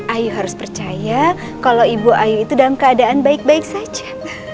ayu harus percaya kalau ibu ayu itu dalam keadaan baik baik saja